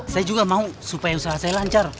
saya juga mau supaya usaha saya lancar